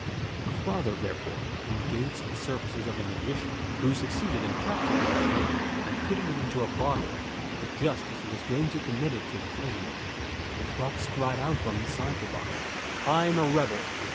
Her father, therefore, engaged the services of a magician, who succeeded in capturing the animal and putting it into a bottle; but just as he was going to commit it to the flames, the fox cried out from inside the bottle, "I'm a rebel!"